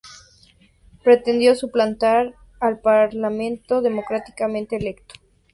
Pretendió suplantar al Parlamento democráticamente electo.